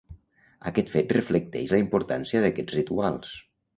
Aquest fet reflecteix la importància d’aquests rituals.